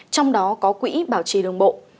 trong đó có quỹ bảo trì đường bộ